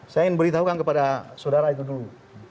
saya ingin beritahukan kepada saudara itu dulu